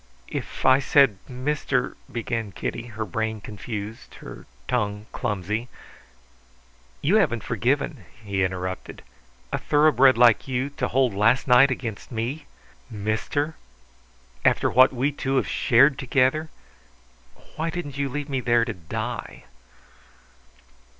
"If I said Mister " began Kitty, her brain confused, her tongue clumsy. "You haven't forgiven!" he interrupted. "A thoroughbred like you, to hold last night against me! Mister after what we two have shared together! Why didn't you leave me there to die?"